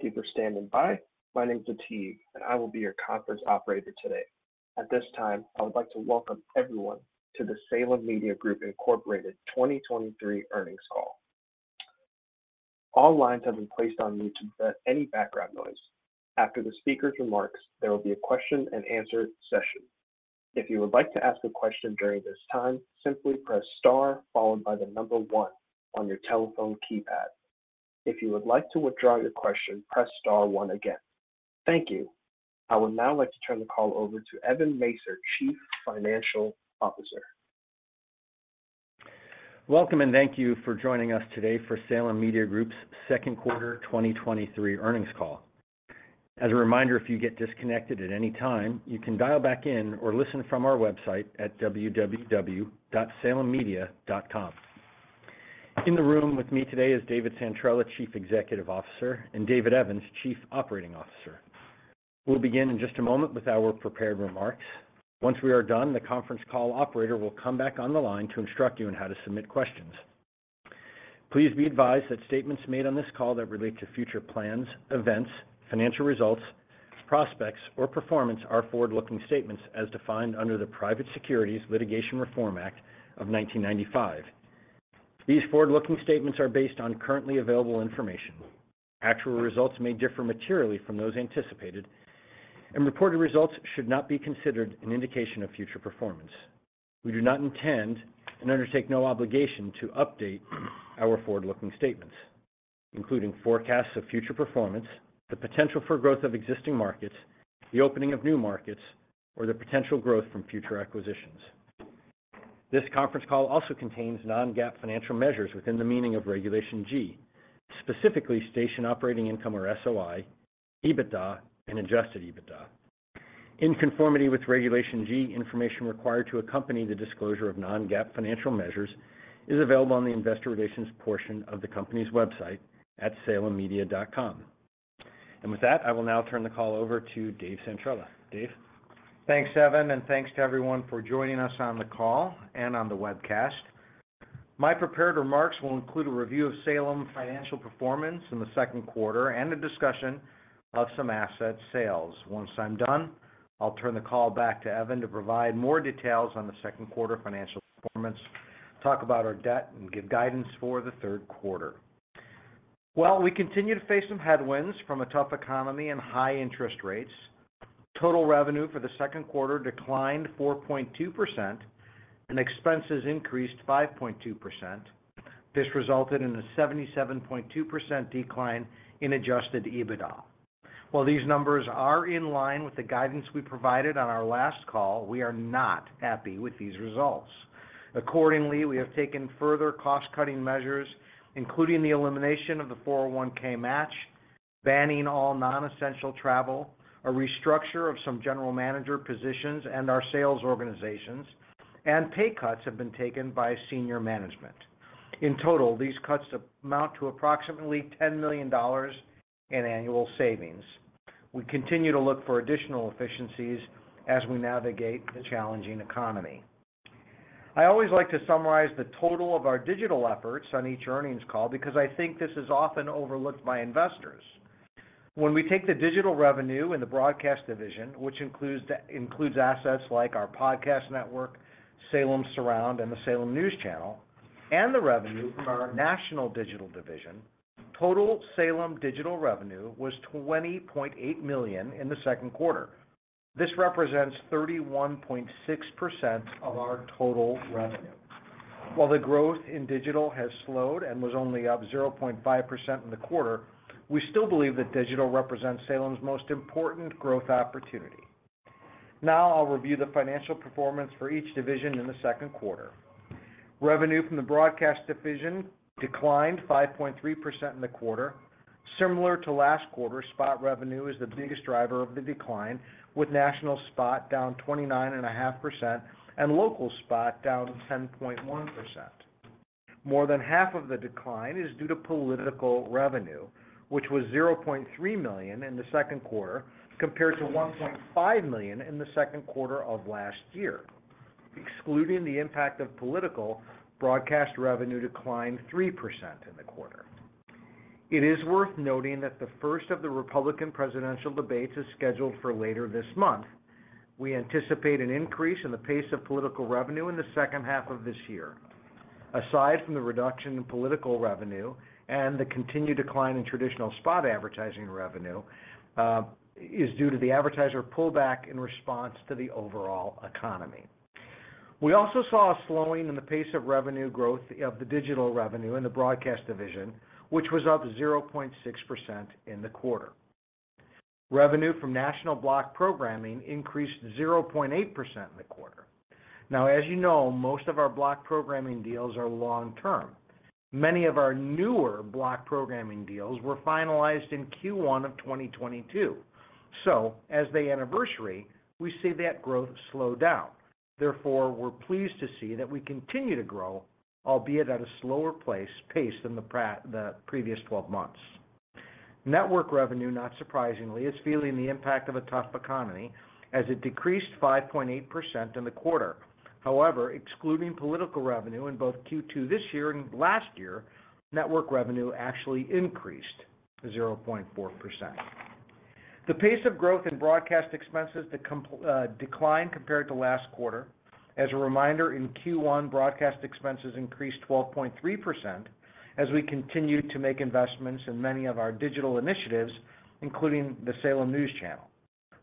Thank you for standing by. My name is Latif, and I will be your conference operator today. At this time, I would like to welcome everyone to the Salem Media Group Incorporated 2023 earnings call. All lines have been placed on mute to prevent any background noise. After the speaker's remarks, there will be a question and answer session. If you would like to ask a question during this time, simply press star followed by the number 1 on your telephone keypad. If you would like to withdraw your question, press star 1 again. Thank you. I would now like to turn the call over to Evan Masyr, Chief Financial Officer. Welcome, and thank you for joining us today for Salem Media Group's second quarter 2023 earnings call. As a reminder, if you get disconnected at any time, you can dial back in or listen from our website at www.salemmedia.com. In the room with me today is David Santrella, Chief Executive Officer, and David Evans, Chief Operating Officer. We'll begin in just a moment with our prepared remarks. Once we are done, the conference call operator will come back on the line to instruct you on how to submit questions. Please be advised that statements made on this call that relate to future plans, events, financial results, prospects, or performance are forward-looking statements as defined under the Private Securities Litigation Reform Act of 1995. These forward-looking statements are based on currently available information. Actual results may differ materially from those anticipated, and reported results should not be considered an indication of future performance. We do not intend and undertake no obligation to update our forward-looking statements, including forecasts of future performance, the potential for growth of existing markets, the opening of new markets, or the potential growth from future acquisitions. This conference call also contains non-GAAP financial measures within the meaning of Regulation G, specifically Station Operating Income or SOI, EBITDA, and adjusted EBITDA. In conformity with Regulation G, information required to accompany the disclosure of non-GAAP financial measures is available on the investor relations portion of the company's website at salemmedia.com. With that, I will now turn the call over to Dave Santrella. Dave? Thanks, Evan. Thanks to everyone for joining us on the call and on the webcast. My prepared remarks will include a review of Salem financial performance in the second quarter and a discussion of some asset sales. Once I'm done, I'll turn the call back to Evan to provide more details on the second quarter financial performance, talk about our debt, and give guidance for the third quarter. Well, we continue to face some headwinds from a tough economy and high interest rates. Total revenue for the second quarter declined 4.2%. Expenses increased 5.2%. This resulted in a 77.2% decline in adjusted EBITDA. While these numbers are in line with the guidance we provided on our last call, we are not happy with these results. Accordingly, we have taken further cost-cutting measures, including the elimination of the 401(k) match, banning all non-essential travel, a restructure of some general manager positions and our sales organizations, pay cuts have been taken by senior management. In total, these cuts amount to approximately $10 million in annual savings. We continue to look for additional efficiencies as we navigate the challenging economy. I always like to summarize the total of our digital efforts on each earnings call because I think this is often overlooked by investors. When we take the digital revenue in the broadcast division, which includes assets like our podcast network, Salem Surround, and the Salem News Channel, and the revenue from our national digital division, total Salem digital revenue was $20.8 million in the second quarter. This represents 31.6% of our total revenue. While the growth in digital has slowed and was only up 0.5% in the quarter, we still believe that digital represents Salem's most important growth opportunity. Now, I'll review the financial performance for each division in the second quarter. Revenue from the broadcast division declined 5.3% in the quarter. Similar to last quarter, spot revenue is the biggest driver of the decline, with national spot down 29.5% and local spot down 10.1%. More than half of the decline is due to political revenue, which was $0.3 million in the second quarter, compared to $1.5 million in the second quarter of last year. Excluding the impact of political, broadcast revenue declined 3% in the quarter. It is worth noting that the first of the Republican presidential debates is scheduled for later this month. We anticipate an increase in the pace of political revenue in the second half of this year. Aside from the reduction in political revenue and the continued decline in traditional spot advertising revenue, is due to the advertiser pullback in response to the overall economy. We also saw a slowing in the pace of revenue growth of the digital revenue in the broadcast division, which was up 0.6% in the quarter. Revenue from national block programming increased 0.8% in the quarter. As you know, most of our block programming deals are long-term. Many of our newer block programming deals were finalized in Q1 of 2022. As they anniversary, we see that growth slow down. Therefore, we're pleased to see that we continue to grow, albeit at a slower pace than the previous 12 months. Network revenue, not surprisingly, is feeling the impact of a tough economy as it decreased 5.8% in the quarter. Excluding political revenue in both Q2 this year and last year, network revenue actually increased 0.4%. The pace of growth in broadcast expenses declined compared to last quarter. As a reminder, in Q1, broadcast expenses increased 12.3% as we continued to make investments in many of our digital initiatives, including the Salem News Channel.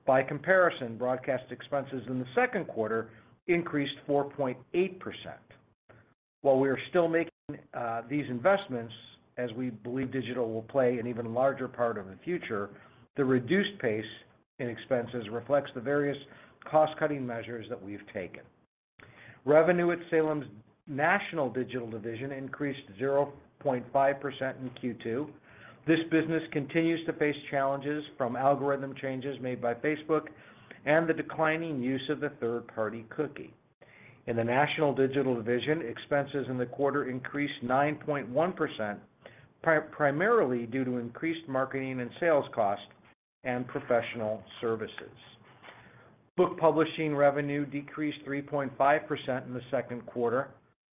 Broadcast expenses in the second quarter increased 4.8%. While we are still making these investments, as we believe digital will play an even larger part of the future, the reduced pace in expenses reflects the various cost-cutting measures that we've taken. Revenue at Salem's national digital division increased 0.5% in Q2. This business continues to face challenges from algorithm changes made by Facebook and the declining use of the third-party cookie. In the national digital division, expenses in the quarter increased 9.1%, primarily due to increased marketing and sales costs and professional services. Book publishing revenue decreased 3.5% in the second quarter.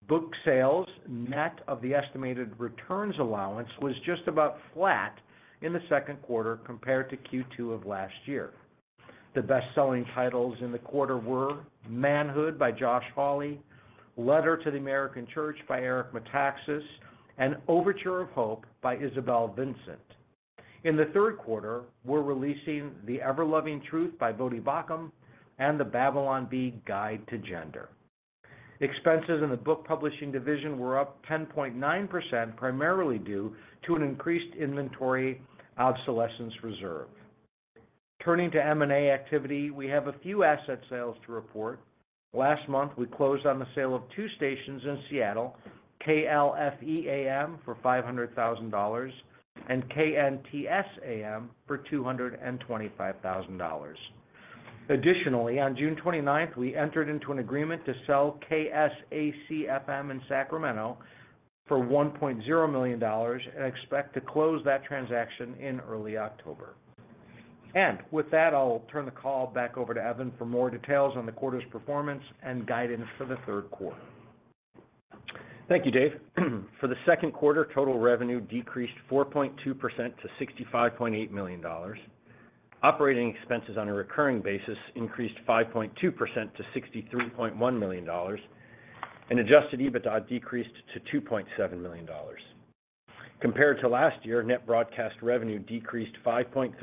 Book sales, net of the estimated returns allowance, was just about flat in the second quarter compared to Q2 of last year. The best-selling titles in the quarter were Manhood by Josh Hawley, Letter to the American Church by Eric Metaxas, and Overture of Hope by Isabel Vincent. In the third quarter, we're releasing The Ever-Loving Truth by Voddie Baucham and The Babylon Bee Guide to Gender. Expenses in the book publishing division were up 10.9%, primarily due to an increased inventory obsolescence reserve. Turning to M&A activity, we have a few asset sales to report. Last month, we closed on the sale of two stations in Seattle, KLFE AM, for $500,000 and KNTS-AM for $225,000. Additionally, on June 29th, we entered into an agreement to sell KSAC-FM in Sacramento for $1.0 million and expect to close that transaction in early October. With that, I'll turn the call back over to Evan Masyr for more details on the quarter's performance and guidance for the third quarter. Thank you, Dave. For the second quarter, total revenue decreased 4.2% to $65.8 million. Operating expenses on a recurring basis increased 5.2% to $63.1 million, and adjusted EBITDA decreased to $2.7 million. Compared to last year, net broadcast revenue decreased 5.3%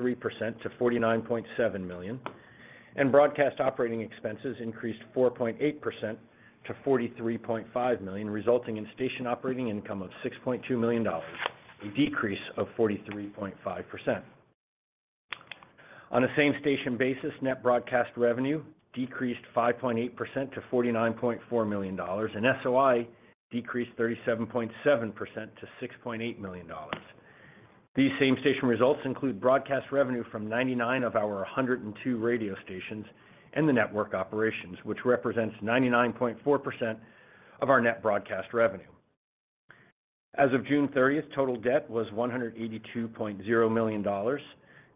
to $49.7 million, and broadcast operating expenses increased 4.8% to $43.5 million, resulting in Station Operating Income of $6.2 million, a decrease of 43.5%. On a same-station basis, net broadcast revenue decreased 5.8% to $49.4 million, and SOI decreased 37.7% to $6.8 million. These same-station results include broadcast revenue from 99 of our 102 radio stations and the network operations, which represents 99.4% of our net broadcast revenue. As of June 30th, total debt was $182.0 million,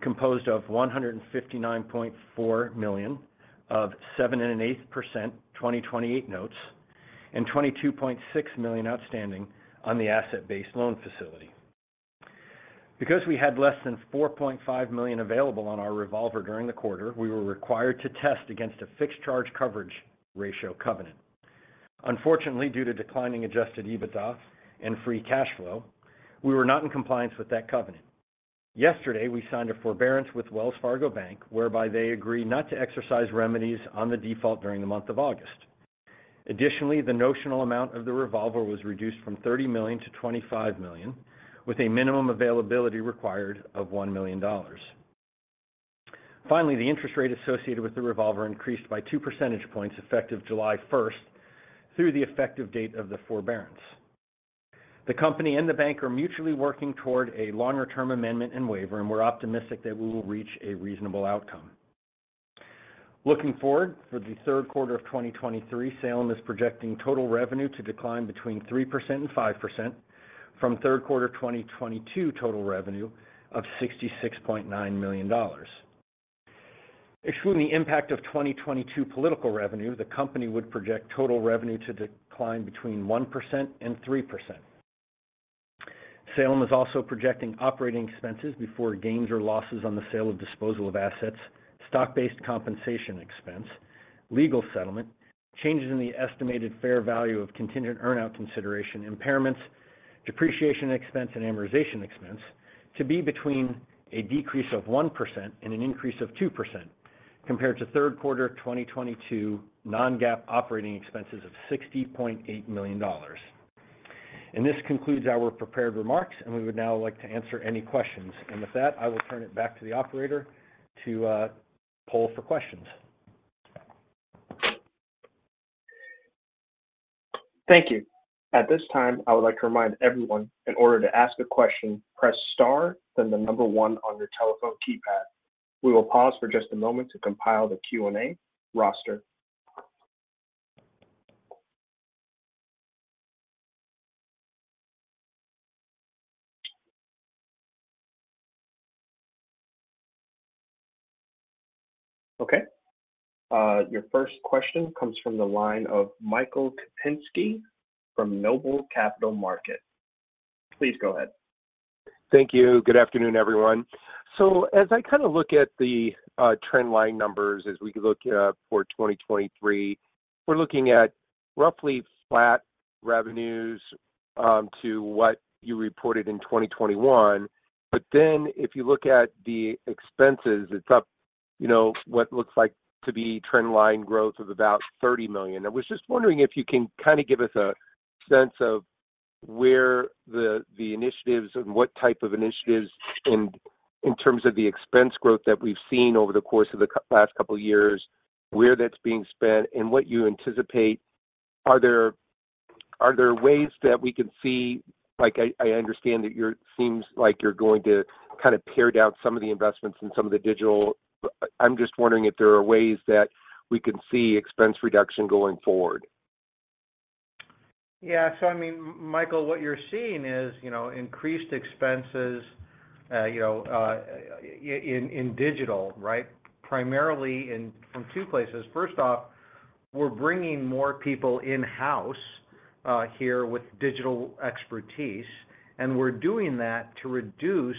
composed of $159.4 million of 7.125%, 2028 notes, and $22.6 million outstanding on the asset-based loan facility. Because we had less than $4.5 million available on our revolver during the quarter, we were required to test against a fixed charge coverage ratio covenant. Unfortunately, due to declining adjusted EBITDA and free cash flow, we were not in compliance with that covenant. Yesterday, we signed a forbearance with Wells Fargo Bank, whereby they agreed not to exercise remedies on the default during the month of August. The notional amount of the revolver was reduced from $30 million to $25 million, with a minimum availability required of $1 million. Finally, the interest rate associated with the revolver increased by two percentage points, effective July first, through the effective date of the forbearance. The company and the bank are mutually working toward a longer-term amendment and waiver, and we're optimistic that we will reach a reasonable outcome. Looking forward, for the third quarter of 2023, Salem is projecting total revenue to decline between 3% and 5% from third quarter 2022 total revenue of $66.9 million. Excluding the impact of 2022 political revenue, the company would project total revenue to decline between 1% and 3%. Salem is also projecting operating expenses before gains or losses on the sale of disposal of assets, stock-based compensation expense, legal settlement, changes in the estimated fair value of contingent earn-out consideration, impairments, depreciation expense, and amortization expense to be between a decrease of 1% and an increase of 2% compared to third quarter of 2022 non-GAAP operating expenses of $60.8 million. This concludes our prepared remarks, and we would now like to answer any questions. With that, I will turn it back to the operator to poll for questions. Thank you. At this time, I would like to remind everyone, in order to ask a question, press star, then the number 1 on your telephone keypad. We will pause for just a moment to compile the Q&A roster... Okay. Your first question comes from the line of Michael Kupinski from Noble Capital Markets. Please go ahead. Thank you. Good afternoon, everyone. As I kind of look at the trend line numbers as we look for 2023, we're looking at roughly flat revenues to what you reported in 2021. Then, if you look at the expenses, it's up, you know, what looks like to be trend line growth of about $30 million. I was just wondering if you can kind of give us a sense of where the, the initiatives and what type of initiatives, and in terms of the expense growth that we've seen over the course of the last couple of years, where that's being spent and what you anticipate? Are there, are there ways that we can see like, I, I understand that you're, seems like you're going to kind of pare down some of the investments in some of the digital. I'm just wondering if there are ways that we can see expense reduction going forward? Yeah. So I mean, Michael, what you're seeing is, you know, increased expenses, you know, in digital, right? Primarily in, from two places. First off, we're bringing more people in-house, here with digital expertise, and we're doing that to reduce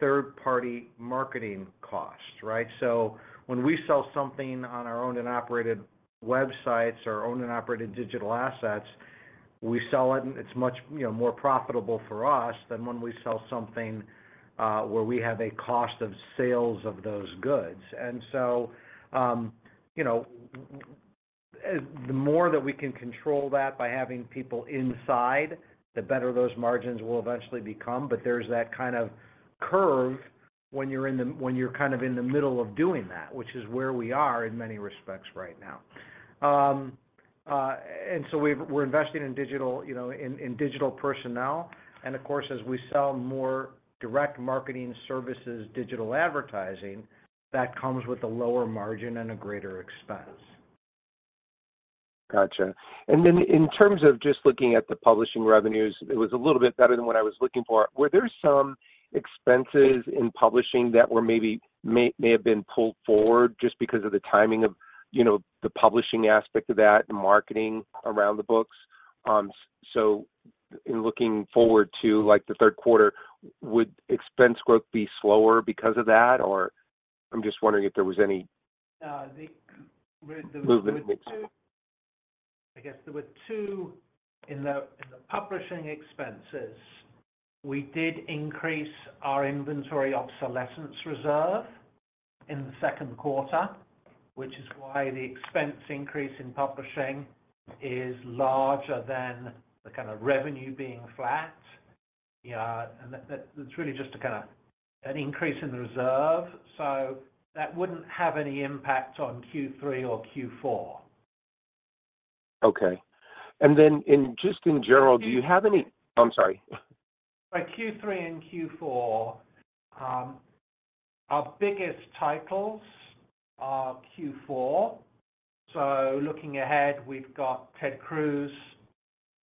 third-party marketing costs, right? So when we sell something on our owned and operated websites or owned and operated digital assets, we sell it, and it's much, you know, more profitable for us than when we sell something, where we have a cost of sales of those goods. You know, the more that we can control that by having people inside, the better those margins will eventually become. There's that kind of curve when you're when you're kind of in the middle of doing that, which is where we are in many respects right now. We've-- we're investing in digital, you know, in, in digital personnel, and of course, as we sell more direct marketing services, digital advertising, that comes with a lower margin and a greater expense. Gotcha. Then in terms of just looking at the publishing revenues, it was a little bit better than what I was looking for. Were there some expenses in publishing that were maybe, may have been pulled forward just because of the timing of, you know, the publishing aspect of that and marketing around the books? In looking forward to, like, the third quarter, would expense growth be slower because of that, or I'm just wondering if there was any? Uh, the- Movement? I guess there were two in the, in the publishing expenses. We did increase our inventory obsolescence reserve in the second quarter, which is why the expense increase in publishing is larger than the kind of revenue being flat. That, that's really just to kind of an increase in the reserve, so that wouldn't have any impact on Q3 or Q4. Okay. Just in general, do you have any... I'm sorry. By Q3 and Q4, our biggest titles are Q4. Looking ahead, we've got Ted Cruz,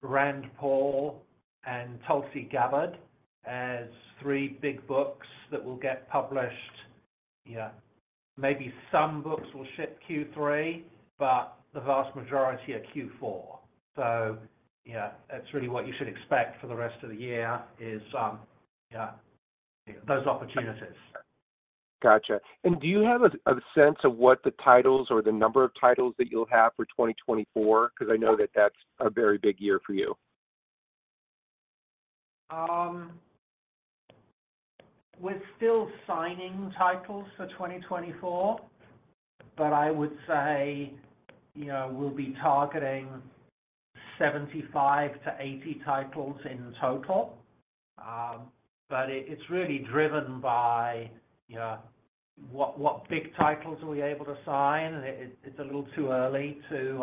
Rand Paul, and Tulsi Gabbard as three big books that will get published. Yeah, maybe some books will ship Q3, but the vast majority are Q4. Yeah, that's really what you should expect for the rest of the year is, yeah, those opportunities. Gotcha. Do you have a sense of what the titles or the number of titles that you'll have for 2024? Because I know that that's a very big year for you. We're still signing titles for 2024, but I would say, you know, we'll be targeting 75-80 titles in total. It's really driven by, you know, what, what big titles are we able to sign? It's a little too early to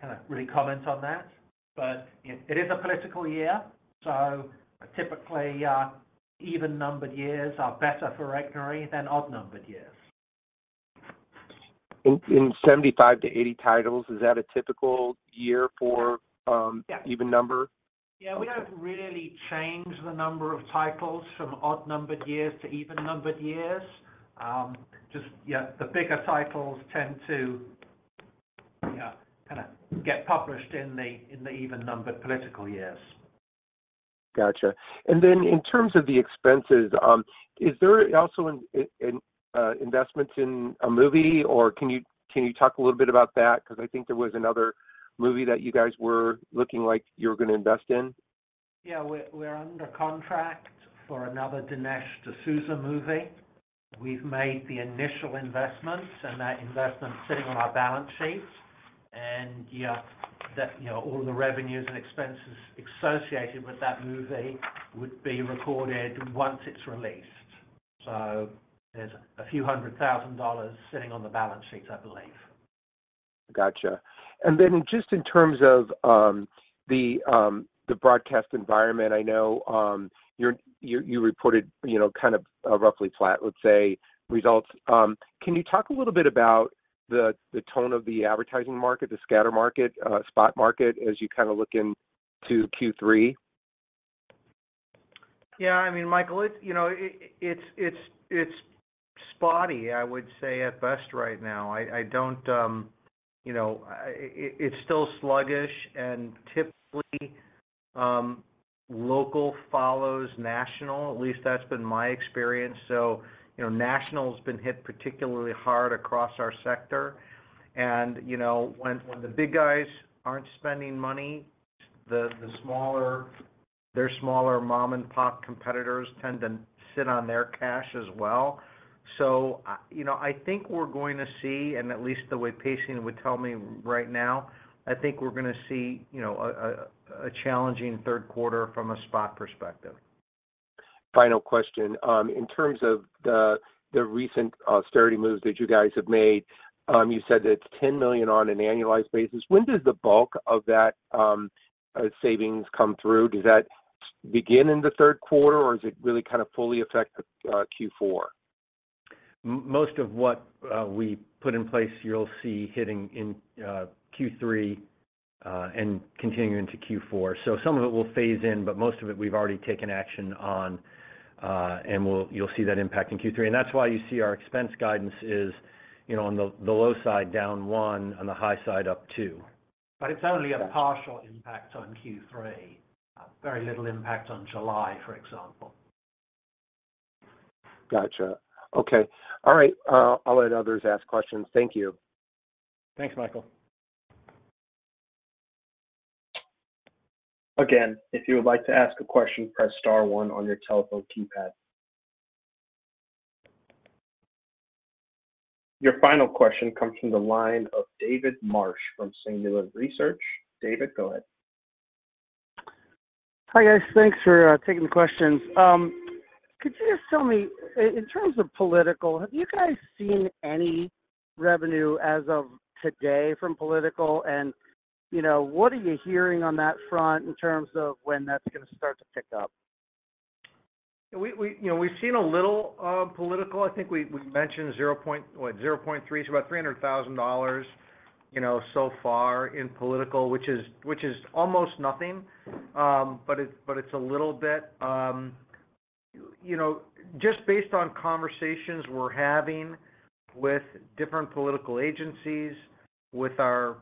kind of really comment on that. It is a political year, so typically, even-numbered years are better for Regnery than odd-numbered years. In, in 75-80 titles, is that a typical year for? Yeah even number? Yeah, we don't really change the number of titles from odd-numbered years to even-numbered years. Just, the bigger titles tend to kind of get published in the, in the even-numbered political years. Gotcha. Then in terms of the expenses, is there also in, in, investments in a movie, or can you, can you talk a little bit about that? Because I think there was another movie that you guys were looking like you were going to invest in. Yeah, we're under contract for another Dinesh D'Souza movie. We've made the initial investment, and that investment is sitting on our balance sheet. Yeah, that, you know, all the revenues and expenses associated with that movie would be recorded once it's released. There's a few hundred thousand dollars sitting on the balance sheets, I believe. Gotcha. Just in terms of the broadcast environment, I know, you're, you, you reported, you know, kind of, roughly flat, let's say, results. Can you talk a little bit about the, the tone of the advertising market, the scatter market, spot market, as you kind of look into Q3? Yeah, I mean, Michael, it, you know, it, it's, it's, it's spotty, I would say, at best right now. I, I don't, you know, it's still sluggish, and typically, local follows national, at least that's been my experience. You know, national's been hit particularly hard across our sector. You know, when, when the big guys aren't spending money, the, the smaller- their smaller mom-and-pop competitors tend to sit on their cash as well. You know, I think we're going to see, and at least the way pacing would tell me right now, I think we're gonna see, you know, a, a, a challenging third quarter from a spot perspective. Final question. In terms of the recent austerity moves that you guys have made, you said that it's $10 million on an annualized basis. When does the bulk of that savings come through? Does that begin in the third quarter, or is it really kind of fully affect Q4? Most of what we put in place, you'll see hitting in Q3 and continuing into Q4. Some of it will phase in, but most of it we've already taken action on, and you'll see that impact in Q3. That's why you see our expense guidance is, you know, on the, the low side, down 1, on the high side, up 2. It's only a partial impact on Q3. Very little impact on July, for example. Gotcha. Okay. All right, I'll let others ask questions. Thank you. Thanks, Michael. Again, if you would like to ask a question, press star one on your telephone keypad. Your final question comes from the line of David Marsh from Singular Research. David, go ahead. Hi, guys. Thanks for taking the questions. Could you just tell me, in terms of political, have you guys seen any revenue as of today from political? You know, what are you hearing on that front in terms of when that's gonna start to pick up? We, we, you know, we've seen a little political. I think we, we mentioned 0.3, what, 0.3, so about $300,000, you know, so far in political, which is, which is almost nothing. It's, but it's a little bit. You know, just based on conversations we're having with different political agencies, with our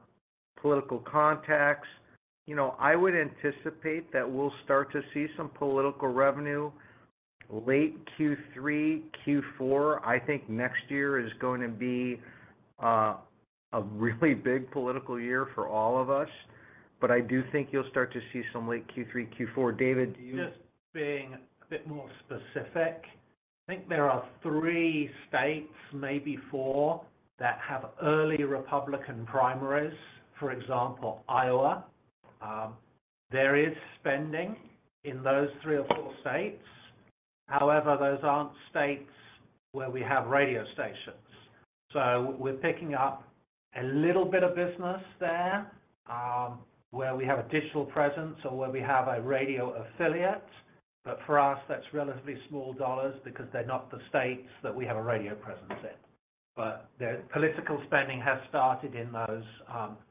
political contacts, you know, I would anticipate that we'll start to see some political revenue late Q3, Q4. I think next year is going to be a really big political year for all of us, but I do think you'll start to see some late Q3, Q4. David, do you. Just being a bit more specific, I think there are three states, maybe four, that have early Republican primaries, for example, Iowa. There is spending in those three or four states. However, those aren't states where we have radio stations, so we're picking up a little bit of business there, where we have a digital presence or where we have a radio affiliate. For us, that's relatively small dollars because they're not the states that we have a radio presence in. The political spending has started in those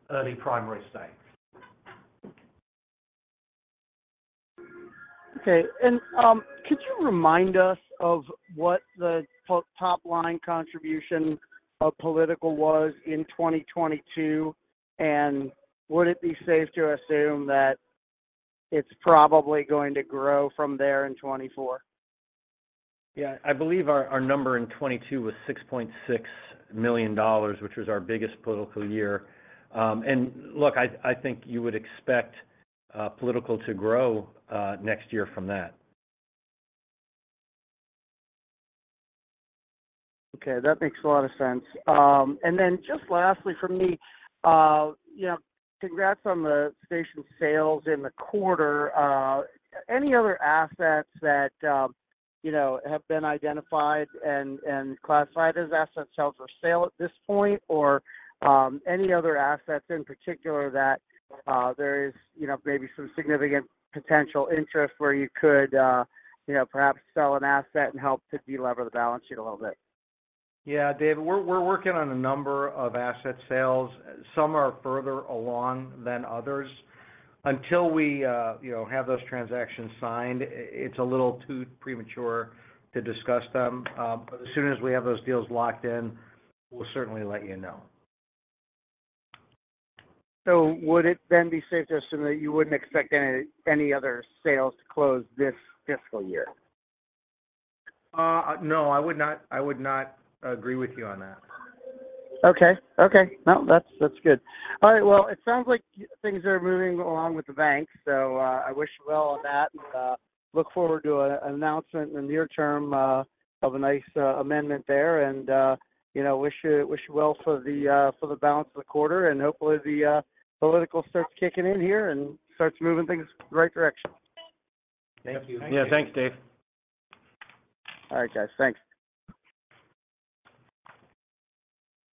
early primary states. Okay, could you remind us of what the top line contribution of political was in 2022, and would it be safe to assume that it's probably going to grow from there in 2024? Yeah, I believe our, our number in 2022 was $6.6 million, which was our biggest political year. Look, I, I think you would expect political to grow next year from that. Okay, that makes a lot of sense. Lastly for me, you know, congrats on the station sales in the quarter. Any other assets that, you know, have been identified and classified as asset sales for sale at this point, or any other assets in particular that there is, you know, maybe some significant potential interest where you could, you know, perhaps sell an asset and help to delever the balance sheet a little bit? Yeah, David, we're, we're working on a number of asset sales. Some are further along than others. Until we, you know, have those transactions signed, it's a little too premature to discuss them. As soon as we have those deals locked in, we'll certainly let you know. Would it then be safe to assume that you wouldn't expect any, any other sales to close this fiscal year? No, I would not, I would not agree with you on that. Okay. Okay, well, that's, that's good. All right, well, it sounds like things are moving along with the bank, so I wish you well on that, and look forward to an announcement in the near term of a nice amendment there. You know, wish you, wish you well for the balance of the quarter, and hopefully, the political starts kicking in here and starts moving things the right direction. Thank you. Yeah, thanks, Dave. All right, guys. Thanks.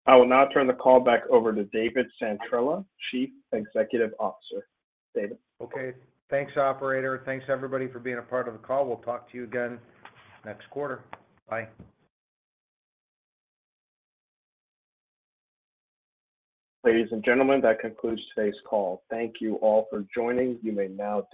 I will now turn the call back over to David Santrella, Chief Executive Officer. David? Okay. Thanks, operator. Thanks, everybody, for being a part of the call. We'll talk to you again next quarter. Bye. Ladies and gentlemen, that concludes today's call. Thank you all for joining. You may now disconnect.